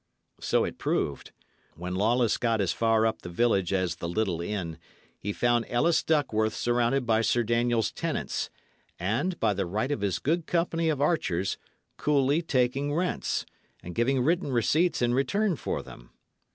So it proved. When Lawless got as far up the village as the little inn, he found Ellis Duckworth surrounded by Sir Daniel's tenants, and, by the right of his good company of archers, coolly taking rents, and giving written receipts in return for them.